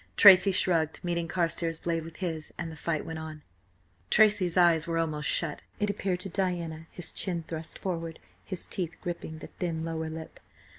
Tracy shrugged, meeting Carstares' blade with his, and the fight went on. Tracy's eyes were almost shut, it appeared to Diana, his chin thrust forward, his teeth gripping the thin lower lip.